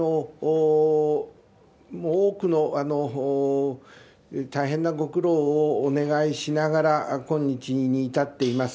多くの大変なご苦労をお願いしながら、今日に至っています。